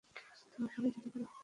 তোমরা সবাই যেতে পারো।